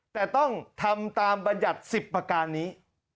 แต่ต้องทำตามบรรยัติ๑๐ประการนี้